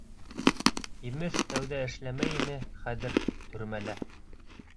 Имеш, тәүҙә эшләмәй ине, хәҙер — төрмәлә.